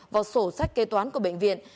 vào sổ sách kê toán của bệnh viện